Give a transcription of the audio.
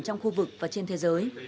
trong khu vực và trên thế giới